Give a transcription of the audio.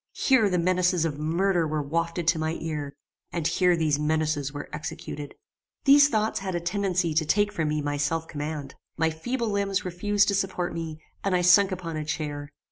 Here the menaces of murder were wafted to my ear; and here these menaces were executed. These thoughts had a tendency to take from me my self command. My feeble limbs refused to support me, and I sunk upon a chair.